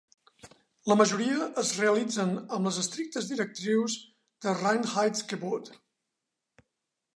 La majoria es realitzen amb les estrictes directrius de Reinheitsgebot.